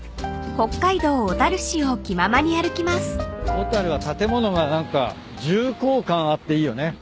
小樽は建物が何か重厚感あっていいよね。